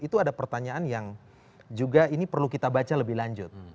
itu ada pertanyaan yang juga ini perlu kita baca lebih lanjut